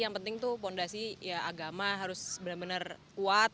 yang penting tuh fondasi ya agama harus benar benar kuat